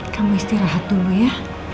kamu istirahat dulu ya